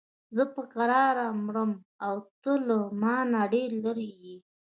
زه په کراره مرم او ته له مانه ډېر لرې یې.